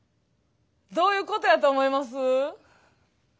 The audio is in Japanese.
どういうことやと思います？